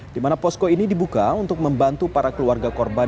di mana posko ini dibuka untuk membantu para keluarga korban